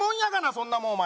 そんなもんお前。